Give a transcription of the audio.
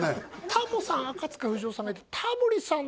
タモさん赤塚不二夫さんがいてへえすごいわタモさん